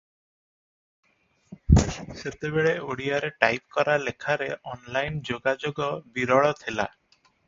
ସେତେବେଳେ ଓଡ଼ିଆରେ ଟାଇପକରା ଲେଖାରେ ଅନଲାଇନ ଯୋଗାଯୋଗ ବିରଳ ଥିଲା ।